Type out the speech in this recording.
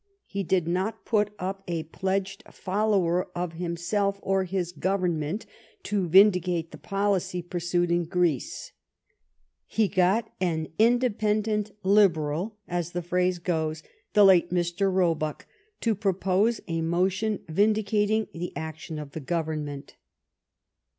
He did not put THE STORY OF GLADSTONE'S LIFE up a pledged follower of himself or his Govern ment to vindicate the policy pursued in Greece. He got an " independent Liberal," as the phrase goes, the late Mr, Roebuck, to propose a motion vindicating the action of the Government.